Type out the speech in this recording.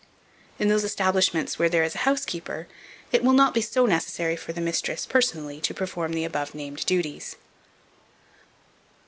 In those establishments where there is a housekeeper, it will not be so necessary for the mistress, personally, to perform the above named duties.